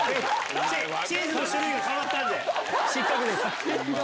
チーズの種類が変わったんで失格です。